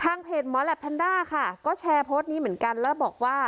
เพจหมอแหลปแพนด้าค่ะก็แชร์โพสต์นี้เหมือนกันแล้วบอกว่า